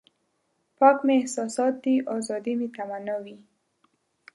پاک مې احساسات دي ازادي مې تمنا وي.